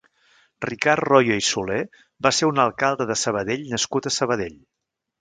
Ricard Royo i Soler va ser un alcalde de Sabadell nascut a Sabadell.